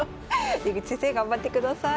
出口先生頑張ってください。